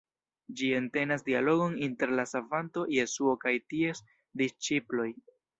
Ĝi entenas dialogon inter la Savanto Jesuo kaj ties disĉiploj.